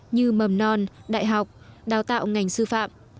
như mầm non đại học đào tạo ngành sư phạm